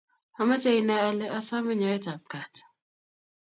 ameche inai ale asome nyoetab kaat